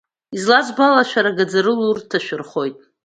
Излазбо ала, шәара гаӡарала урҭ ҭашәырхоит.